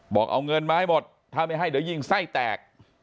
บอกเอาเงินมาให้หมดถ้าไม่ให้เดี๋ยวยิงไส้แตก